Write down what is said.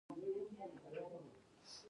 د پنجشیر زمرد ولې قیمتي دي؟